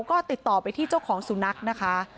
ก็ติดต่อไปที่เจ้าของสุนัขนะคะ